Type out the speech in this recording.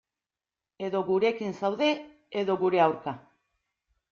Edo gurekin zaude, edo gure aurka.